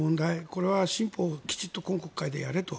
これは新法をきちんと今国会でやれと。